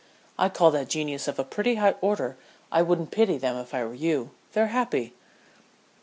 "I call that genius of a pretty high order. I wouldn't pity them if I were you. They're happy."